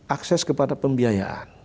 akses kepada pembiayaan